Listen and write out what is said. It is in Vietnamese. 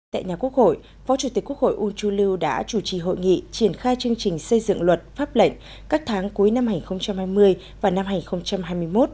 tại nhà quốc hội phó chủ tịch quốc hội uông đã chủ trì hội nghị triển khai chương trình xây dựng luật pháp lệnh các tháng cuối năm hai nghìn hai mươi và năm hai nghìn hai mươi một